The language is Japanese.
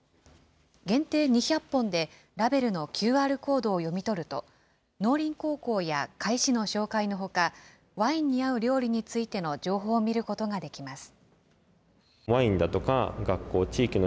限定２００本で、ラベルのＱＲコードを読み取ると、農林高校や甲斐市の紹介のほか、ワインに合う料理についての情報を見ることができます。